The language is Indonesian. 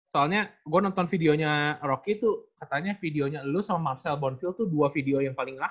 soalnya gue nonton videonya rocky tuh katanya videonya lu sama marvel bondfill tuh dua video yang paling laku